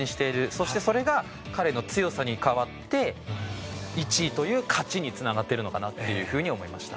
そしてそれが彼の強さに変わって１位という勝ちに繋がっているのかなっていうふうに思いました。